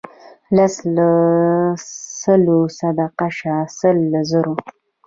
لس له سلو صدقه شه سل له زرو.